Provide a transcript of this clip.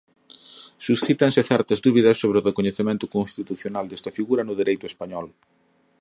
Suscítanse certas dúbidas sobre o recoñecemento constitucional desta figura no Dereito español.